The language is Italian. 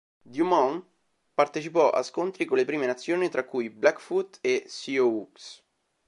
Dumont partecipò a scontri con le Prime nazioni, tra cui Blackfoot e Sioux.